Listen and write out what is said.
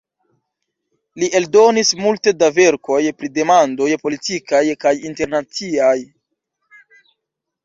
Li eldonis multe da verkoj pri demandoj politikaj kaj internaciaj.